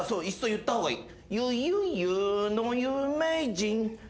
言った方がいい。